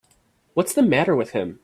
What's the matter with him.